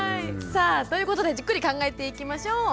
さあということでじっくり考えていきましょう。